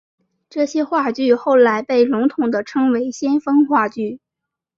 这些话剧后来被笼统地称为先锋话剧。